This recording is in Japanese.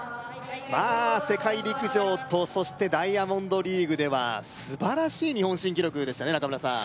まあ世界陸上とそしてダイヤモンドリーグでは素晴らしい日本新記録でしたね中村さん